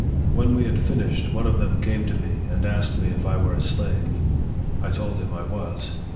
When we had finished, one of them came to me and asked me if I were a slave. I told him I was.